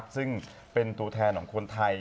ซึ่งเป็นตัวแทนของคนไทย